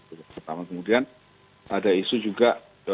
pertama kemudian ada isu juga